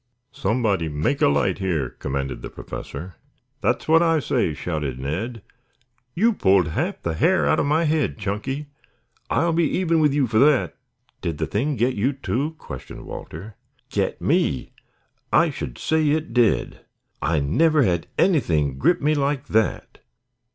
"Somebody make a light here," commanded the Professor. "That's what I say," shouted Ned. "You pulled half the hair out of my head, Chunky. I'll be even with you for that." "Did the Thing get you, too?" questioned Walter. "Get me? I should say it did. I never had anything grip me like that."